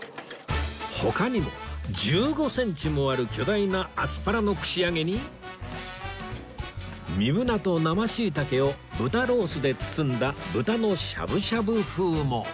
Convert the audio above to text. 他にも１５センチもある巨大なアスパラの串揚げにミブナと生シイタケを豚ロースで包んだ豚のしゃぶしゃぶ風も